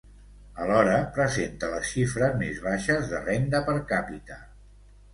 Alhora, presenta les xifres més baixes de renda per càpita.